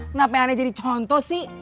kenapa anda jadi contoh sih